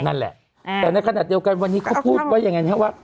แต่ในขณะเดียวกันวันนี้เขาพูดว่าอย่างไรนะว่า